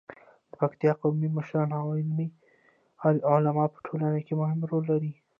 د پکتیکا قومي مشران او علما په ټولنه کې مهم رول لري.